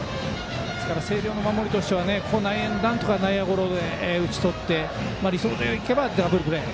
星稜の守りとしてはここでなんとか内野ゴロで打ちとって、理想で行けばダブルプレー。